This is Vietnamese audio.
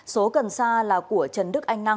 số cần sa là của trần đức anh năng